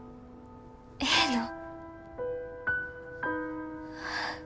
ええの？